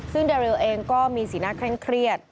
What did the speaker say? ซึ่งเดอเรลเองก็มีสีหน้าเคร่งเครียด